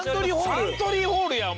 サントリーホールやお前。